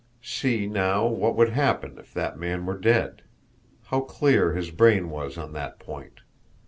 See, now, what would happen if that man were dead! How clear his brain was on that point!